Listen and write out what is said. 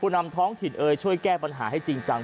นำท้องถิ่นเอ่ยช่วยแก้ปัญหาให้จริงจัง